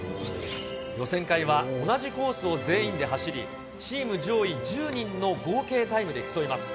予選会は同じコースを全員で走り、チーム上位１０人の合計タイムで競います。